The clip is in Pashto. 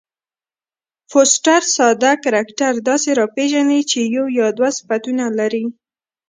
فوسټر ساده کرکټر داسي راپېژني، چي یو یا دوه صفتونه لري.